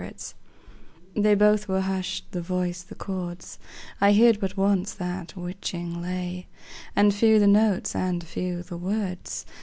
They both were husht, the voice, the chords, I heard but once that witching lay; And few the notes, and few the words.